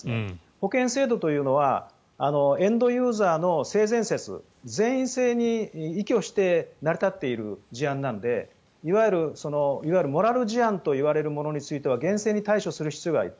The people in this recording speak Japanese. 保険制度というのはエンドユーザーの性善説善意性に依拠して成り立っている事案なのでいわゆるモラル事案といわれるものについては厳正に対処する必要がある。